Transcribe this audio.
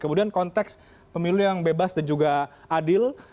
kemudian konteks pemilu yang bebas dan juga adil